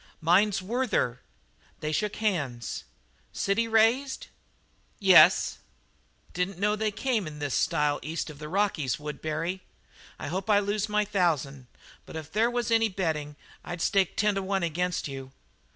"Mine's Werther." They shook hands. "City raised?" "Yes." "Didn't know they came in this style east of the Rockies, Woodbury. I hope I lose my thousand, but if there was any betting I'd stake ten to one against you."